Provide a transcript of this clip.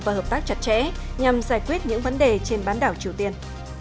và hợp tác chặt chẽ nhằm giải quyết những vấn đề trên bán đảo triều tiên